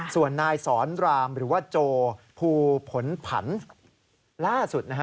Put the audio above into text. ส่วนนายสอนรามหรือว่าโจภูผลผันล่าสุดนะฮะ